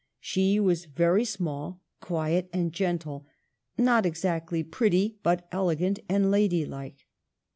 She was very small, quiet and gentle, not exactly pretty, but elegant and ladylike.